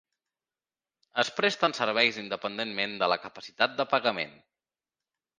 Es presten serveis independentment de la capacitat de pagament.